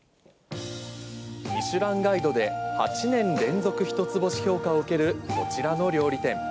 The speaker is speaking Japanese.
ミシュランガイドで８年連続一つ星評価を受けるこちらの料理店。